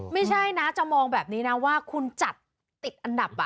ไม่ใช่นะจะมองแบบนี้นะว่าคุณจัดติดอันดับ